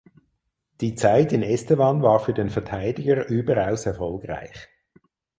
Die Zeit in Estevan war für den Verteidiger überaus erfolgreich.